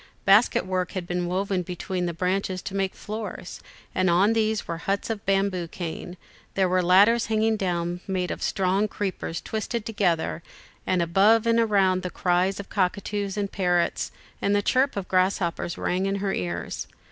Basket work had been woven between the branches to make floors, and on these were huts of bamboo cane; there were ladders hanging down made of strong creepers twisted together, and above and around the cries of cockatoos and parrots and the chirp of grasshoppers rang in her ears.